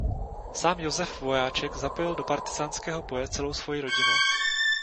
Sám Josef Vojáček zapojil do partyzánského boje celou svoji rodinu.